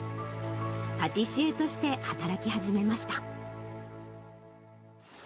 パティシエとして働き始めました。